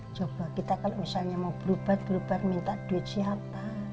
coba kita kalau misalnya mau berubah berubah duit siapa